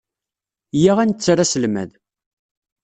Iyya ad netter aselmad.